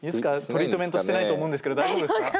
トリートメントしてないと思うんですけど大丈夫ですか？